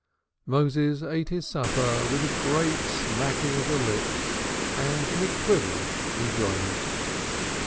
Moses ate his supper with a great smacking of the lips and an equivalent enjoyment.